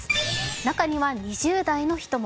中には２０代の人も。